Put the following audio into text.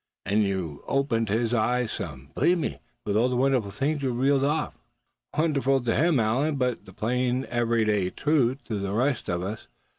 And you opened his eyes some, believe me, with all the wonderful things you reeled off." "Wonderful to him, Allan, but the plain every day truth to the rest of us.